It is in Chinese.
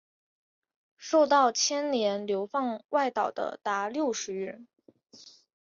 受到牵连流放外岛的达六十余人。